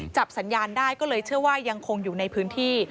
จับสัญญาณได้ก็เลยเชื่อว่ายังคงอยู่ในพื้นที่